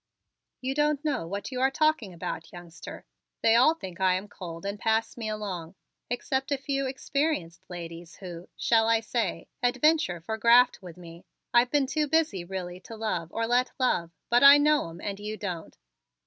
"You don't know what you are talking about, youngster. They all think I am cold and pass me along, except a few experienced ladies who shall I say? adventure for graft with me. I've been too busy really to love or let love but I know 'em and you don't.